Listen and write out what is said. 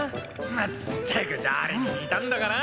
まったく誰に似たんだかな。